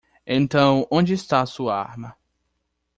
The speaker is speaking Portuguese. Então onde está sua arma?